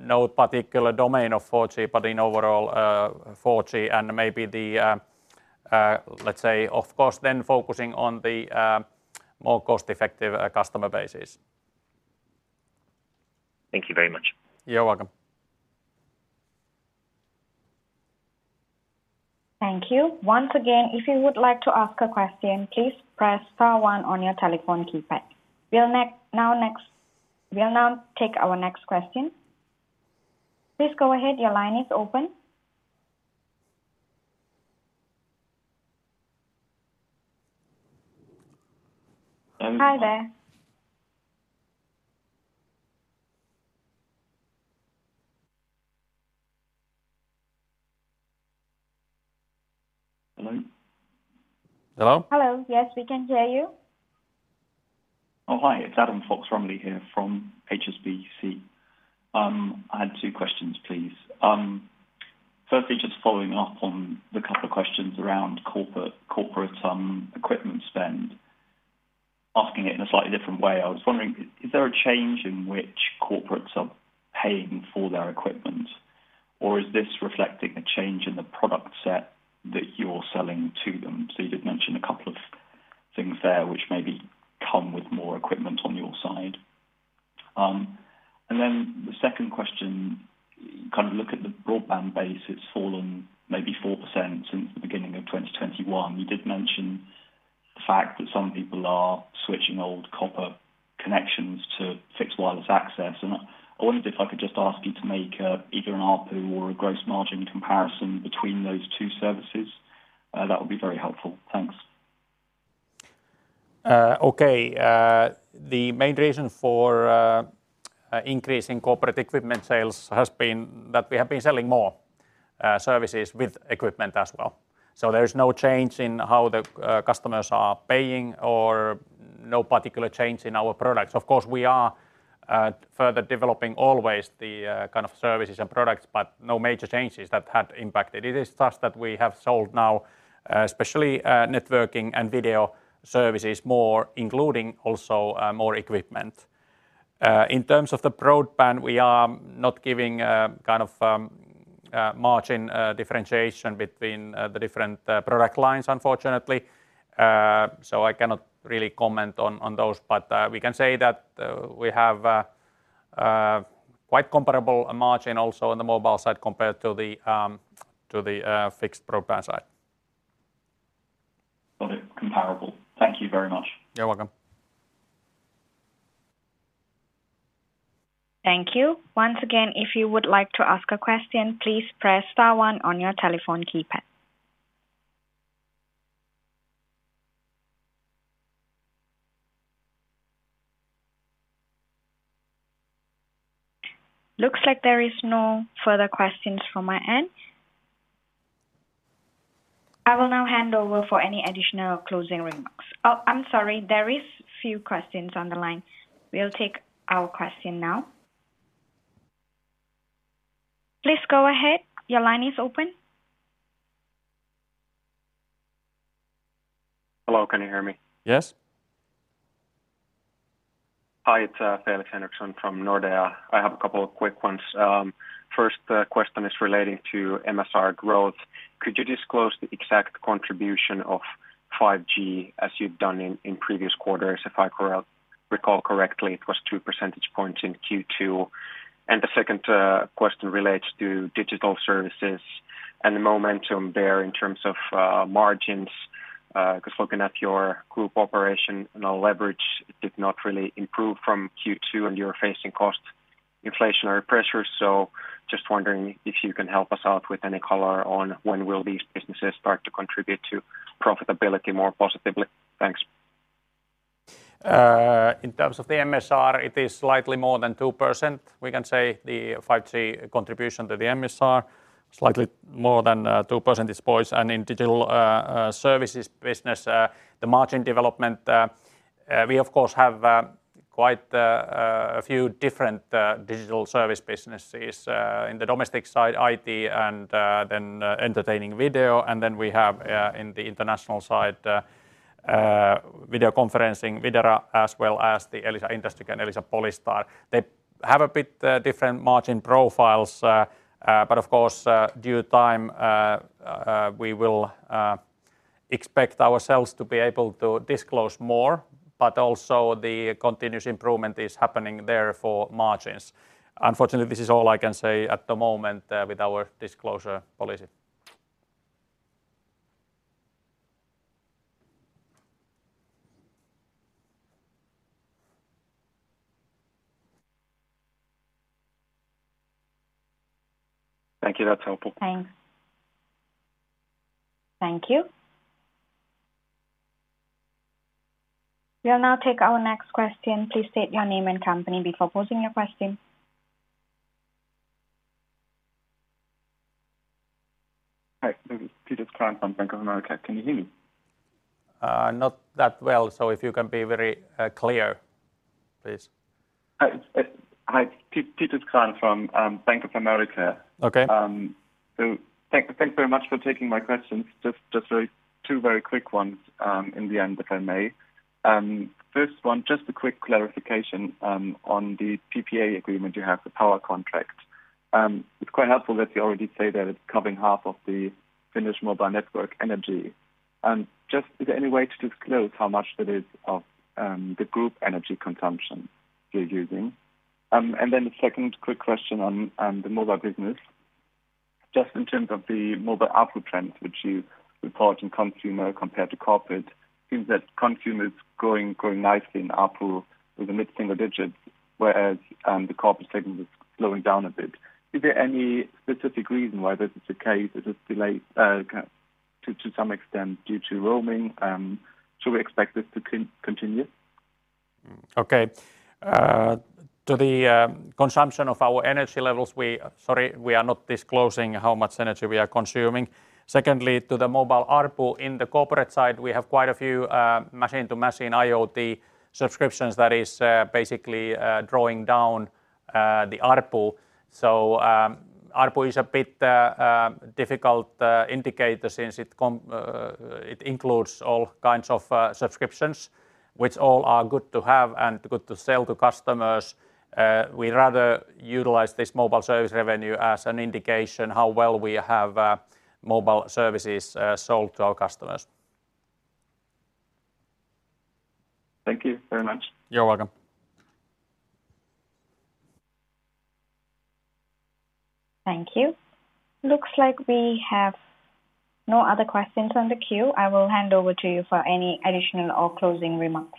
S2: No particular domain of 4G, but in overall 4G and maybe the, let's say, of course then focusing on the more cost-effective customer bases.
S13: Thank you very much.
S2: You're welcome.
S5: Thank you. Once again, if you would like to ask a question, please press star one on your telephone keypad. We'll now take our next question. Please go ahead. Your line is open. Hi there.
S14: Hello?
S2: Hello?
S5: Hello. Yes, we can hear you.
S14: Oh, hi. It's Adam Fox-Rumley here from HSBC. I had two questions, please. Firstly, just following up on the couple of questions around corporate equipment spend. Asking it in a slightly different way, I was wondering, is there a change in which corporates are paying for their equipment? Or is this reflecting a change in the product set that you're selling to them? You did mention a couple of things there which maybe come with more equipment on your side. The second question, kind of look at the broadband base. It's fallen maybe 4% since the beginning of 2021. You did mention the fact that some people are switching old copper connections to fixed wireless access. I wondered if I could just ask you to make either an ARPU or a gross margin comparison between those two services. That would be very helpful. Thanks.
S2: Okay. The main reason for increase in corporate equipment sales has been that we have been selling more services with equipment as well. There's no change in how the customers are paying or no particular change in our products. Of course, we are further developing always the kind of services and products, but no major changes that have impacted. It is just that we have sold now especially networking and video services more, including also more equipment. In terms of the broadband, we are not giving kind of margin differentiation between the different product lines, unfortunately. I cannot really comment on those. We can say that we have quite comparable margin also on the mobile side compared to the fixed broadband side.
S14: Okay. Comparable. Thank you very much.
S2: You're welcome.
S5: Thank you. Once again, if you would like to ask a question, please press star one on your telephone keypad. Looks like there are no further questions from my end. I will now hand over for any additional closing remarks. Oh, I'm sorry. There are a few questions on the line. We'll take the question now. Please go ahead. Your line is open.
S15: Hello, can you hear me?
S2: Yes.
S15: Hi, it's Felix Henriksson from Nordea. I have a couple of quick ones. First, question is relating to MSR growth. Could you disclose the exact contribution of 5G as you've done in previous quarters? If I recall correctly, it was 2 percentage points in Q2. The second question relates to digital services and the momentum there in terms of margins. Because looking at your group operation and the leverage, it did not really improve from Q2, and you're facing cost inflationary pressures. Just wondering if you can help us out with any color on when will these businesses start to contribute to profitability more positively. Thanks.
S2: In terms of the MSR, it is slightly more than 2%. We can say the 5G contribution to the MSR, slightly more than 2% is poised. In digital services business, the margin development, we of course have quite a few different digital service businesses in the domestic side, IT and then enterprise video. We have in the international side video conferencing, Videra, as well as the Elisa IndustrIQ and Elisa Polystar. They have a bit different margin profiles. Of course, in due time, we will expect ourselves to be able to disclose more, but also the continuous improvement is happening there for margins. Unfortunately, this is all I can say at the moment with our disclosure policy.
S15: Thank you. That's helpful.
S5: Thanks. Thank you. We'll now take our next question. Please state your name and company before posing your question.
S16: Hi, this is Peter Klein from Bank of America. Can you hear me?
S2: Not that well, so if you can be very clear, please.
S16: Hi. Peter Klein from Bank of America.
S2: Okay.
S15: Thanks very much for taking my questions. Two very quick ones, in the end, if I may. First one, just a quick clarification on the PPA agreement you have, the power contract. It's quite helpful that you already say that it's covering half of the Finnish mobile network energy. Just is there any way to disclose how much that is of the group energy consumption you're using? And then the second quick question on the mobile business. Just in terms of the mobile ARPU trends which you report in consumer compared to corporate, it seems that consumer is growing nicely in ARPU with the mid-single digits, whereas the corporate segment is slowing down a bit. Is there any specific reason why this is the case?
S16: Is this delay to some extent due to roaming? Should we expect this to continue?
S2: To the consumption of our energy levels, we are not disclosing how much energy we are consuming. Secondly, to the mobile ARPU, in the corporate side, we have quite a few machine-to-machine IoT subscriptions that is basically drawing down the ARPU. ARPU is a bit difficult indicator since it includes all kinds of subscriptions, which all are good to have and good to sell to customers. We rather utilize this mobile service revenue as an indication how well we have mobile services sold to our customers.
S16: Thank you very much.
S2: You're welcome.
S5: Thank you. Looks like we have no other questions on the queue. I will hand over to you for any additional or closing remarks.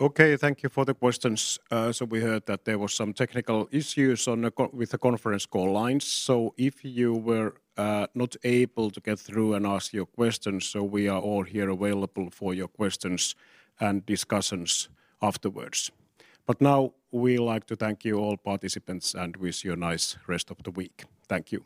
S2: Okay. Thank you for the questions. We heard that there was some technical issues with the conference call lines. If you were not able to get through and ask your questions, we are all here available for your questions and discussions afterwards. Now we'd like to thank you all participants, and wish you a nice rest of the week. Thank you.